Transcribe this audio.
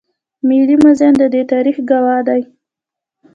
ملي موزیم د دې تاریخ ګواه دی